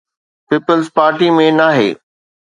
Peoples party ۾ ناهي.